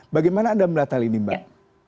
bagaimana anda melihat hal ini mbak